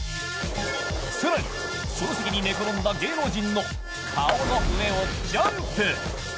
更にその先に寝転んだ芸能人の顔の上をジャンプ。